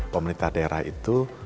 pemerintah daerah itu